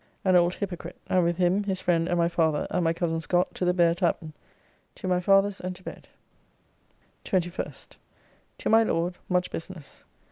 ] an old hypocrite, and with him, his friend and my father, and my cozen Scott to the Bear Tavern. To my father's and to bed. 21st. To my Lord, much business.